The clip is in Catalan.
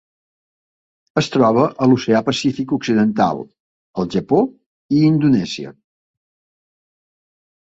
Es troba a l'Oceà Pacífic occidental: el Japó i Indonèsia.